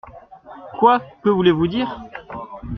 Quoi ? que voulez-vous dire ?…